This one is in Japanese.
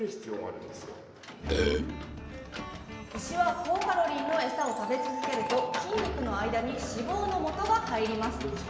牛は高カロリーのエサを食べ続けると筋肉の間に脂肪のもとが入ります。